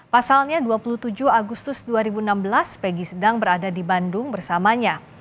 pasalnya dua puluh tujuh agustus dua ribu enam belas peggy sedang berada di bandung bersamanya